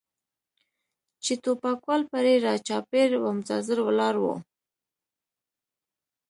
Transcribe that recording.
چې ټوپکوال پرې را چاپېر و منتظر ولاړ و.